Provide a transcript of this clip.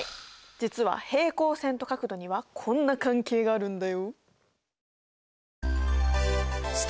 実は平行線と角度にはこんな関係があるんだよ。